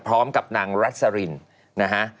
พร้อมกับนางรัสรินนะฮะ